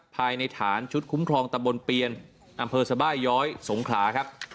ภายในฐานชุดคุ้มครองตะบนเปียนอำเภอสบายย้อยสงขลาครับ